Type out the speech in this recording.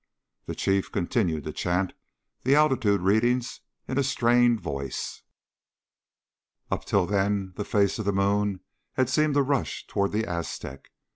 The Chief continued to chant the altitude readings in a strained voice. Up until then the face of the moon had seemed to rush toward the Aztec.